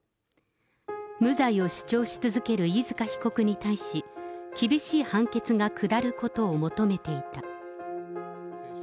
無罪を主張し続ける飯塚被告に対し、厳しい判決が下ることを求めていた。